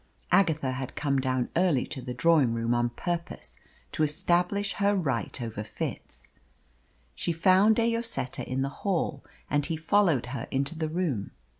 Agatha had come down early to the drawing room on purpose to establish her right over Fitz. She found De Lloseta in the hall, and he followed her into the room.